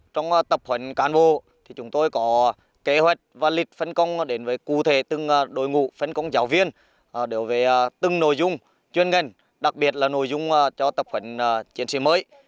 trong tập huấn cán bộ chúng tôi có kế hoạch và lịch phân công đến với cụ thể từng đối ngũ phân công giáo viên đối với từng nội dung chuyên ngành đặc biệt là nội dung cho tập huấn chiến sĩ mới